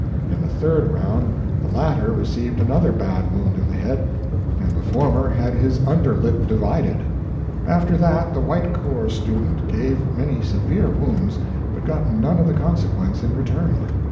In the third round the latter received another bad wound in the head, and the former had his under lip divided. After that, the White Corps student gave many severe wounds, but got none of the consequence in return.